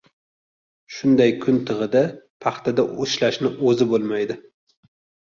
Shunday kun tig‘ida paxtada ishlashni o‘zi bo‘lmaydi.